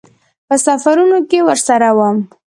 په سفرونو کې ورسره وم.